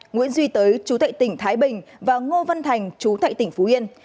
nguyễn duy tới chú thệ tỉnh thái bình và ngô văn thành chú tại tỉnh phú yên